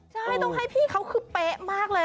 ใช่ต้องให้พี่เขาคือเป๊ะมากเลย